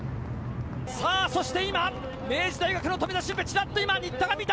さあ、そして今、明治大学の富田峻平、ちらっと今、新田を見た。